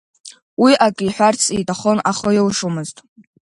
Уи акы иҳәарц иҭахын, аха илшомызт.